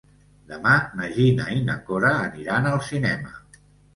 Demà na Gina i na Cora aniran al cinema.